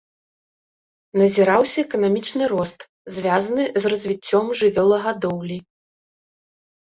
Назіраўся эканамічны рост, звязаны з развіццём жывёлагадоўлі.